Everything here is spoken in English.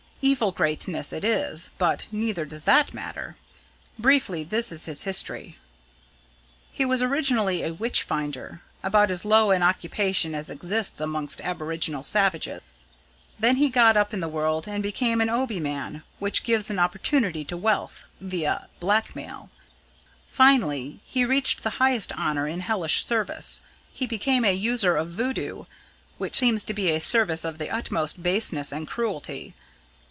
Evil greatness it is but neither does that matter. Briefly, this is his history. He was originally a witch finder about as low an occupation as exists amongst aboriginal savages. Then he got up in the world and became an Obi man, which gives an opportunity to wealth via blackmail. Finally, he reached the highest honour in hellish service. He became a user of Voodoo, which seems to be a service of the utmost baseness and cruelty.